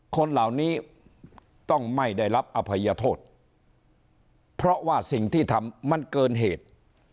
คนเหล่านี้ต้องไม่ได้รับอภัยโทษเพราะว่าสิ่งที่ทำมันเกินเหตุ